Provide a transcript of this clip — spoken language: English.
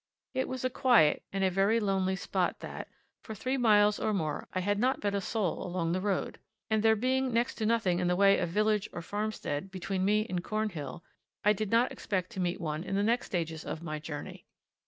It was a quiet and a very lonely spot that; for three miles or more I had not met a soul along the road, and there being next to nothing in the way of village or farmstead between me and Cornhill, I did not expect to meet one in the next stages of my journey.